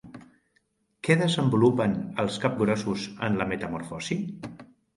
Què desenvolupen els capgrossos en la metamorfosi?